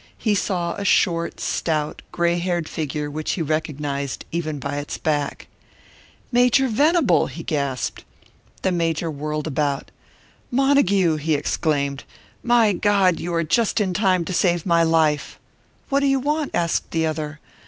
He saw a short, stout, grey haired figure, which he recognised, even by its back. "Major Venable!" he gasped. The Major whirled about. "Montague!" he exclaimed. "My God, you are just in time to save my life!" "What do you want?" asked the other.